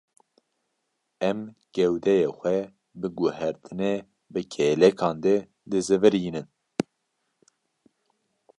Em gewdeyê xwe bi guhertinê bi kêlekan de bizivirînin.